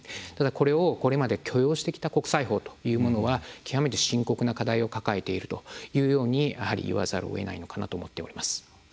これをこれまで許容してきた国際法というものは極めて深刻な課題を抱えているというふうにいわざるをえないのかなと思っております。